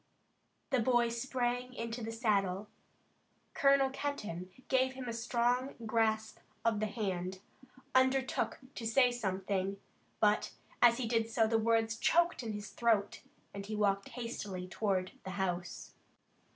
The boy sprang into the saddle, Colonel Kenton gave him a strong grasp of the hand, undertook to say something but, as he did so, the words choked in his throat, and he walked hastily toward the house.